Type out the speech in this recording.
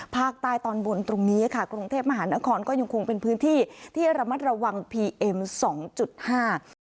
ภาคใต้ตอนบนตรงนี้ค่ะกรุงเทพมหานครก็ยังคงเป็นพื้นที่ที่ระมัดระวังพีเอ็มสองจุดห้า